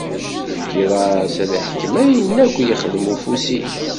Tefkiḍ-as ad iḥkem ayen akk i yexdem ufus-ik.